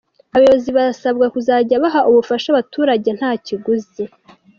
Abayobozi barasabwa kuzajya baha ubufasha abaturage nta kiguzi